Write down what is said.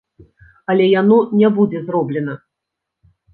Але яно не будзе зроблена!!!